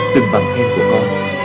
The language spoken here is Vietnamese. từng bằng khen của con